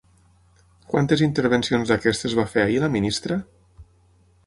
Quantes intervencions d’aquestes va fer ahir la ministra?